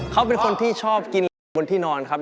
เขาเป็นคนที่ชอบกินเหล็กบนที่นอนครับ